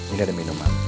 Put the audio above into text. ini ada minuman